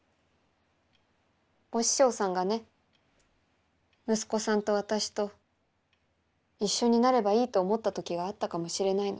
お師匠さんがね息子さんと私と一緒になればいいと思った時があったかもしれないの。